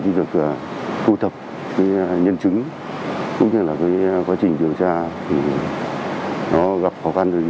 khi được thu thập nhân chứng cũng như là quá trình điều tra gặp khó khăn